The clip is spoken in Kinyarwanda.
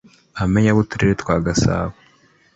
ba Meya b’uturere twa Gasabo